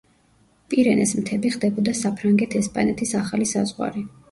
პირენეს მთები ხდებოდა საფრანგეთ-ესპანეთის ახალი საზღვარი.